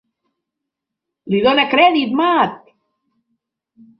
Li dóna crèdit, Mat!